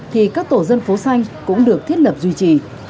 thì các tổ dân phố xanh cũng được thiết lập duy trì